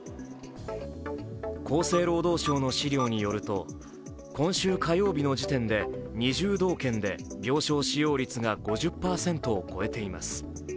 厚生労働省の資料によると今週火曜日の時点で２０道県で病床使用率が５０％を超えています。